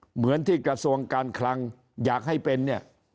เหมือนที่กระทรวงการคลังอยากให้เป็นเนี่ย